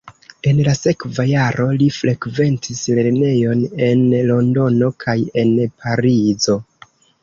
En la sekva jaro li frekventis lernejon en Londono kaj en Parizo.